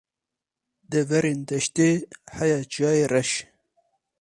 Deverên deştê heya Çiyayê reş